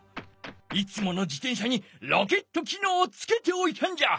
いつもの自てん車にロケットきのうをつけておいたんじゃ。